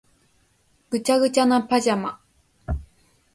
ぐちゃぐちゃなパジャマ